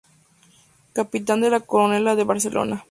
Capitán de la Coronela de Barcelona.